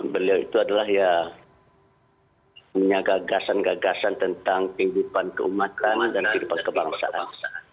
beliau itu adalah ya punya gagasan gagasan tentang kehidupan keumatan dan kehidupan kebangsaan